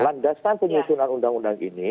landasan penyusunan undang undang ini